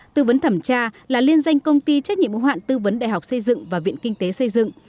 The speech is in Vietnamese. tư vấn thẩm tra là liên danh công ty trách nhiệm hoạn tư vấn đại học xây dựng và viện kinh tế xây dựng